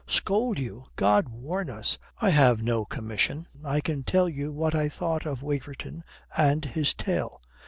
"Scold you! God warn us, I have no commission. I can tell you what I thought of Waverton and his tale.